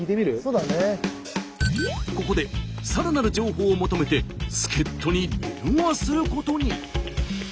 ここでさらなる情報を求めて助っとに電話することに。